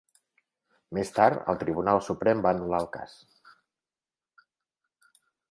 Més tard, el Tribunal Suprem va anul·lar el cas.